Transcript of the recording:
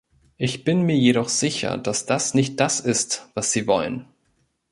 Ich bin mir jedoch sicher, dass das nicht das ist, was Sie wollen.